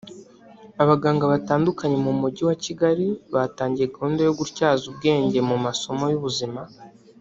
Abaganga batandukanye mu Mujyi wa Kigali batangiye gahunda yo gutyaza ubwenge mu masomo y’ubuzima